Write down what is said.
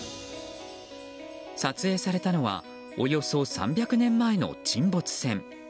撮影されたのはおよそ３００年前の沈没船。